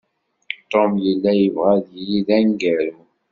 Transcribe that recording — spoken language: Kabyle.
Tom yella yebɣa ad yili d aneggaru.